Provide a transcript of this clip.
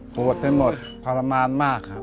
ปวดไปหมดทรมานมากครับ